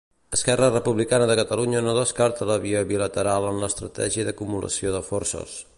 Esquerra Republicana de Catalunya no descarta la via bilateral en l'estratègia d'acumulació de forces.